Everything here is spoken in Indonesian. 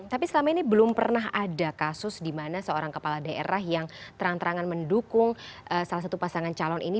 tapi selama ini belum pernah ada kasus di mana seorang kepala daerah yang terang terangan mendukung salah satu pasangan calon ini